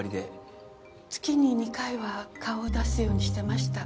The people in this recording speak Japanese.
月に２回は顔を出すようにしていました。